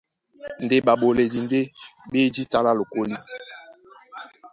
Ndé ɓaɓoledi ndé ɓá e jǐta lá lokólí.